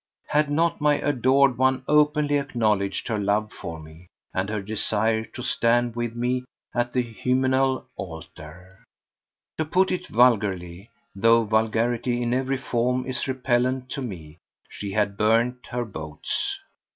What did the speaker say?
Had not my adored one openly acknowledged her love for me and her desire to stand with me at the hymeneal altar? To put it vulgarly—though vulgarity in every form is repellent to me—she had burnt her boats.